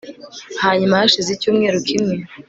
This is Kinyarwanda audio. hanyuma hashize icyumweru kimwe